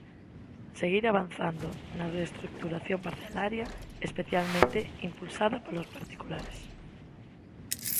Seguir avanzando na reestruturación parcelaria, especialmente impulsada por particulares.